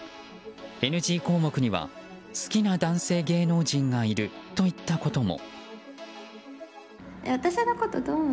ＮＧ項目には好きな男性芸能人がいるといったことも。